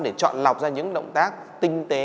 để chọn lọc ra những động tác tinh tế